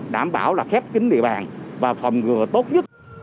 đảm bảo là khép kín địa bàn và phòng ngừa tốt nhất